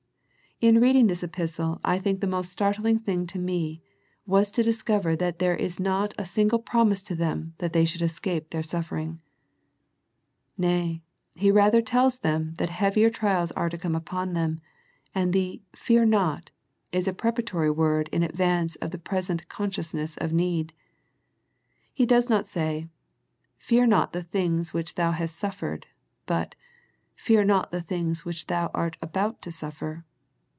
In reading this epistle I think the most startling thing to me was to discover that there is not a single promise to them that they should escape their suffering. Nay, He rather tells them that heavier trials are to come upon them, and the '' fear not " is a preparatory word in advance of the present consciousness of need. He does not say " Fear not the things which thou hast suffered," but " Fear not the things which thou art about to suffer."